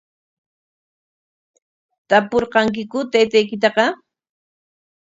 ¿Tapurqankiku taytaykitaqa?